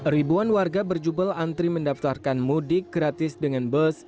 ribuan warga berjubel antri mendaftarkan mudik gratis dengan bus